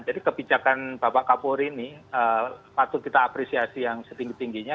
jadi kebijakan bapak kapolri ini patut kita apresiasi yang setinggi tingginya